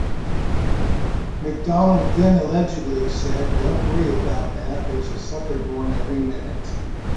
McDonald then allegedly said, Don't worry about that, there's a sucker born every minute.